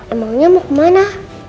emangnya mau ke mana